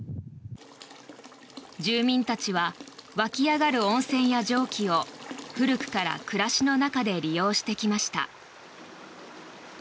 住民たちは湧き上がる温泉や蒸気を古くから暮らしの中で利用してきました。